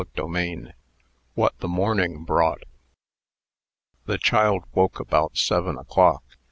CHAPTER V. WHAT THE MORNING BROUGHT. The child woke about seven o'clock.